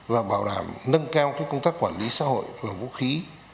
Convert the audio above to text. và bảo đảm nâng cao công tác quản lý xã hội và vũ khí